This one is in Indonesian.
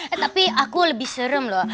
eh tapi aku lebih serem loh